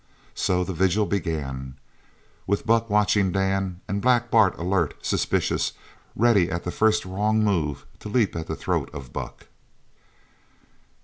So the vigil began, with Buck watching Dan, and Black Bart alert, suspicious, ready at the first wrong move to leap at the throat of Buck.